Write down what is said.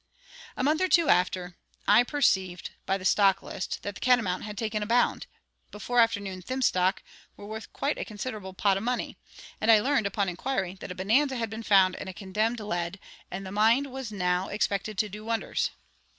A month or two after, I perceived by the stock list that Catamount had taken a bound; before afternoon, "thim stock" were worth a quite considerable pot of money; and I learned, upon inquiry, that a bonanza had been found in a condemned lead, and the mine was now expected to do wonders.